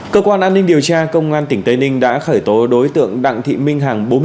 cơ quan an ninh điều tra công an tỉnh tây ninh đã khởi tố đối tượng đặng thị minh hàng bốn mươi chín